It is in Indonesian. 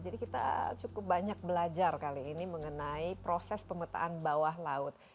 jadi kita cukup banyak belajar kali ini mengenai proses pemetaan bawah laut